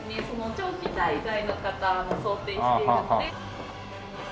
長期滞在の方も想定しているので。